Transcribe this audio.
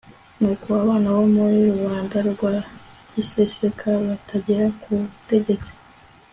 n'uko abana bo muri rubanda rwa giseseka batagera ku butegetsi